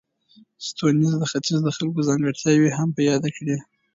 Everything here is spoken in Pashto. سټيونز د ختیځ د خلکو ځانګړتیاوې هم یادې کړې.